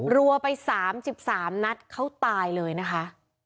รัวไป๓๓นัดเขาตายเลยนะคะ